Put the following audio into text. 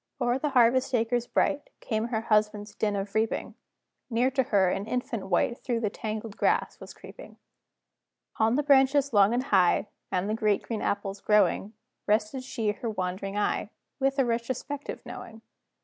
O'er the harvest acres bright, Came her husband's din of reaping; Near to her, an infant wight Through the tangled grass was creeping. On the branches long and high, And the great green apples growing, Rested she her wandering eye, With a retrospective knowing.